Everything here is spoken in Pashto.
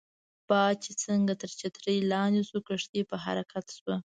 باد چې څنګه تر چترۍ لاندې شو، کښتۍ په حرکت شوه.